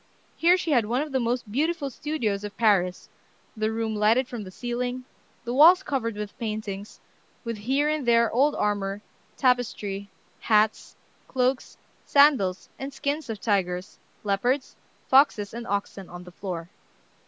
Here she had one of the most beautiful studios of Paris, the room lighted from the ceiling, the walls covered with paintings, with here and there old armor, tapestry, hats, cloaks, sandals, and skins of tigers, leopards, foxes, and oxen on the floor.